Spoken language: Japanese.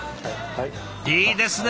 いいですね！